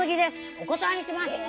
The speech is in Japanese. お断りします！